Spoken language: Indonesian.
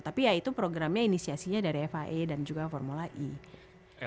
tapi ya itu programnya inisiasinya dari fia dan juga formula e